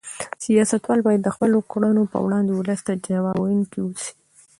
سیاستوال باید د خپلو کړنو په وړاندې ولس ته ځواب ویونکي اوسي.